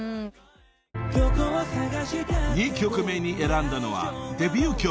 ［２曲目に選んだのはデビュー曲］